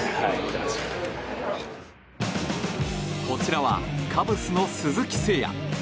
こちらはカブスの鈴木誠也。